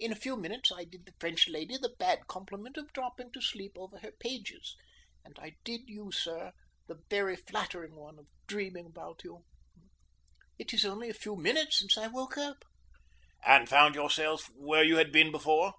In a few minutes I did the French lady the bad compliment of dropping to sleep over her pages, and I did you, sir, the very flattering one of dreaming about you. It is only a few minutes since I woke up." "And found yourself where you had been before?"